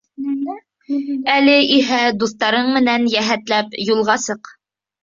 Әле иһә дуҫтарың менән йәһәтләп юлға сыҡ.